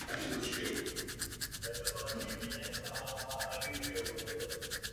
First Division byla nahrazena The Championship a Third Division byla nahrazena League Two.